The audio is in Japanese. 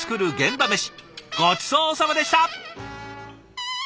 ごちそうさまでした！